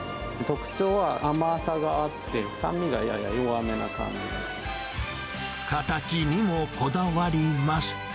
特徴は甘さがあって、酸味がやや形にもこだわります。